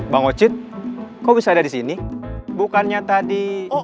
bangocit kok bisa ada di sini bukannya tadi